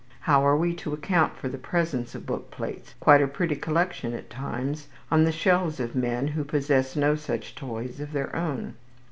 How are we to account for the presence of book plates quite a pretty collection at times on the shelves of men who possess no such toys of their own?